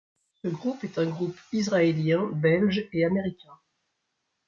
Ce groupe est un groupe israélien, belge et américain.